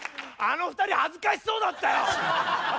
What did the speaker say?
あの２人恥ずかしそうだったよ！